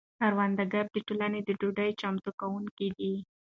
کروندګر د ټولنې د ډوډۍ چمتو کونکي دي.